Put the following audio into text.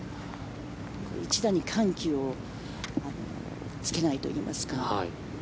一打に緩急をつけないといいますか。